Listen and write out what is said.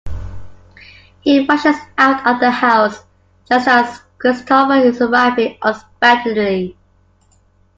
He rushes out of the house, just as Christopher is arriving unexpectedly.